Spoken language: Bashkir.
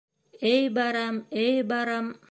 Эй барам, эй барам.